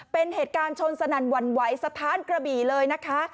เป็นเหตุการณ์ชนสนั่นหวั่นไหวสถานกระบี่เลยนะคะ